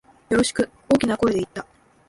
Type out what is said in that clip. よろしく、大きな声で言った。